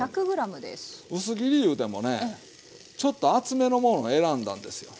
薄切りいうてもねちょっと厚めのものを選んだんですよ。